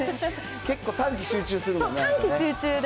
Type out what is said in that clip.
結構短期集中するもんね。